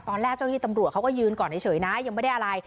เจ้าที่ตำรวจเขาก็ยืนก่อนเฉยนะยังไม่ได้อะไร